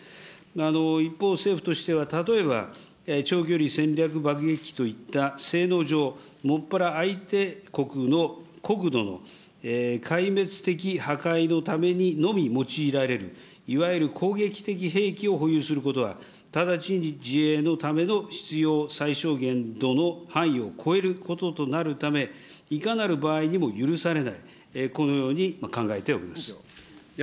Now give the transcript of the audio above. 一方、政府としては例えば、長距離戦略爆撃機といった、性能上、もっぱら相手国の国土の壊滅的破壊のためにのみ用いられる、いわゆる攻撃的兵器を保有することは、直ちに自衛のための必要最小限度の範囲を超えることとなるため、いかなる場合にも許されない、このように考えております。